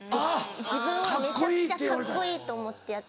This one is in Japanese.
自分はめちゃくちゃカッコいいと思ってやってる。